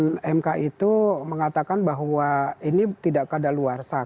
keputusan mka itu mengatakan bahwa ini tidak keadaan luar saha